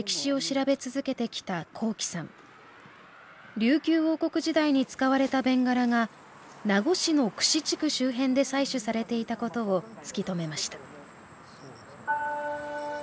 琉球王国時代に使われた弁柄が名護市の久志地区周辺で採取されていたことを突き止めました